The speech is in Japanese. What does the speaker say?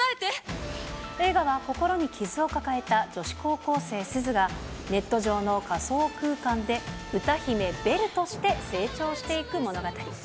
映画は心に傷を抱えた女子高校生、すずが、ネット上の仮想空間で歌姫、ベルとして成長していく物語。